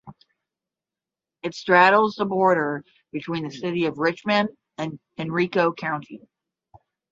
It straddles the boarder between the city of Richmond and Henrico County.